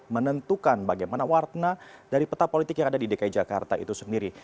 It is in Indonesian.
menentukan bagaimana warna dari peta politik yang ada di dki jakarta itu sendiri